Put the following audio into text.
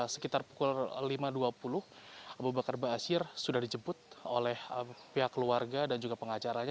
sekitar pukul lima dua puluh abu bakar basir sudah dijemput oleh pihak keluarga dan juga pengacaranya